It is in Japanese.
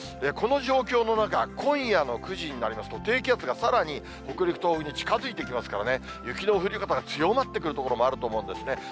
この状況の中、今夜の９時になりますと、低気圧がさらに北陸、東北に近づいてきますからね、雪の降り方が強まってくる所もあると思うんですね。